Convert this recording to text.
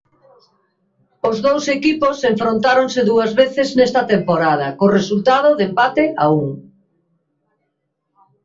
Os dous equipos enfrontáronse dúas veces nesta temporada co resultado de empate a un.